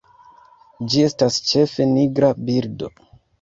Ĝi estas ĉefe nigra birdo.